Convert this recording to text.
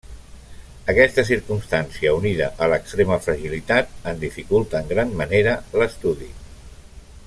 Aquesta circumstància, unida a l'extrema fragilitat en dificulta en gran manera l'estudi.